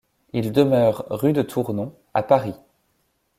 Il demeure rue de Tournon, à Paris.